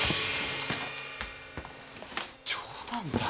冗談だろ？